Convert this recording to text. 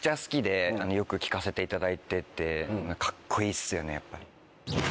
よく聴かせていただいててカッコいいっすよねやっぱり。